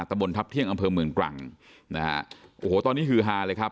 บนทัพเที่ยงอำเภอเมืองตรังนะฮะโอ้โหตอนนี้ฮือฮาเลยครับ